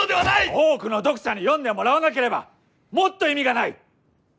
多くの読者に読んでもらわなければもっと意味がない！